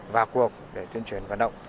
vào cuộc để tuyên truyền vận động